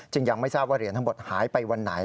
ยังไม่ทราบว่าเหรียญทั้งหมดหายไปวันไหน